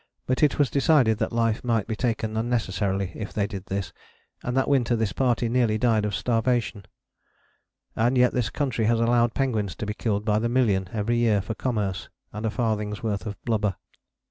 But it was decided that life might be taken unnecessarily if they did this and that winter this party nearly died of starvation. And yet this country has allowed penguins to be killed by the million every year for Commerce and a farthing's worth of blubber.